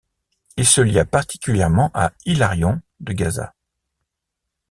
Il se lia particulièrement à Hilarion de Gaza.